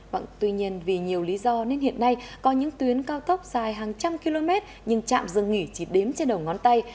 vâng tuy nhiên vì nhiều lý do nên hiện nay có những tuyến cao tốc dài hàng trăm km nhưng trạm dừng nghỉ chỉ đếm trên đầu ngón tay